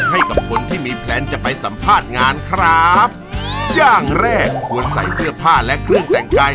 ให้กับคนที่มีแพลนจะไปสัมภาษณ์งานครับอย่างแรกควรใส่เสื้อผ้าและเครื่องแต่งกาย